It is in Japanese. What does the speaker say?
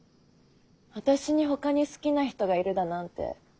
私に他に好きな人がいるだなんて